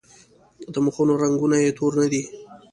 د مخونو رنګونه یې تور نه دي.